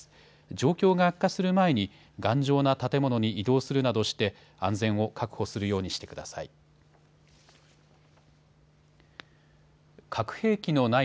状況が悪化する前に頑丈な建物に移動するなどして安全を確保するようにしてください。